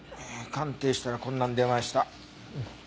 鑑定したらこんなん出ました。